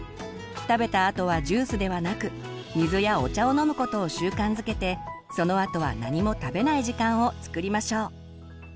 食べたあとはジュースではなく水やお茶を飲むことを習慣づけてそのあとは何も食べない時間をつくりましょう。